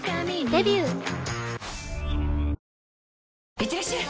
いってらっしゃい！